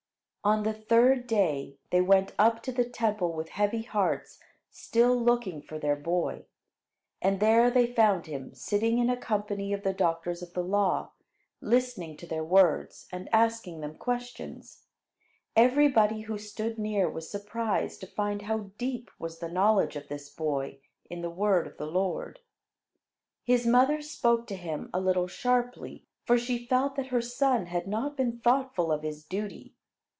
On the third day, they went up to the Temple with heavy hearts, still looking for their boy. And there they found him sitting in a company of the doctors of the law, listening to their words and asking them questions. Everybody who stood near was surprised to find how deep was the knowledge of this boy in the word of the Lord. His mother spoke to him a little sharply, for she felt that her son had not been thoughtful of his duty.